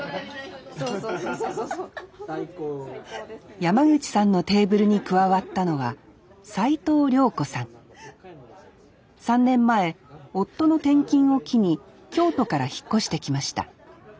山口さんのテーブルに加わったのは３年前夫の転勤を機に京都から引っ越してきました